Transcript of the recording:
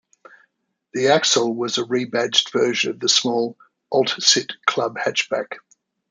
The Axel was a rebadged version of the small Oltcit Club hatchback.